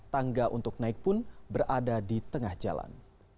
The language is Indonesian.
tangga untuk naik pun berada di tengah jalan